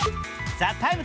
「ＴＨＥＴＩＭＥ，」